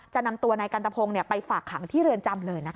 จะนำตัวนายกันตะพงศ์ไปฝากขังที่เรือนจำเลย